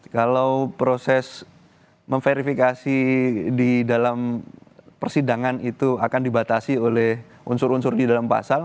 kalau proses memverifikasi di dalam persidangan itu akan dibatasi oleh unsur unsur di dalam pasal